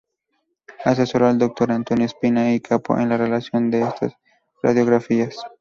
Asesoró al Dr. Antonio Espina y Capó en la realización de estas radiografías.